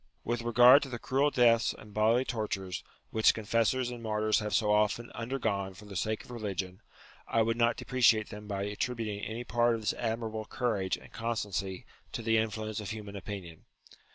With regard to the cruel deaths and bodily tor tures, which confessors and martyrs have so often undergone for the sake of religion, I would not de preciate them by attributing any part of this admirable courage and constancy to the influence of human opinion.